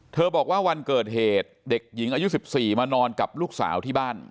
บอกว่าวันเกิดเหตุเด็กหญิงอายุ๑๔มานอนกับลูกสาวที่บ้าน